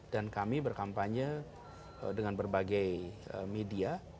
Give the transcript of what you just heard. dan kami berkampanye dengan berbagai media